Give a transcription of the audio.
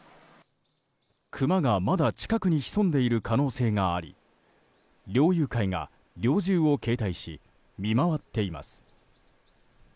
クマがまだ近くに潜んでいる可能性があり猟友会が猟銃を携帯し見回っています。